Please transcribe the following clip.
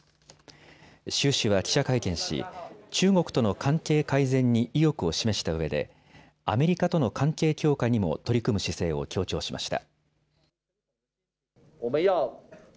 朱氏は記者会見し中国との関係改善に意欲を示したうえでアメリカとの関係強化にも取り組む姿勢を強調しました。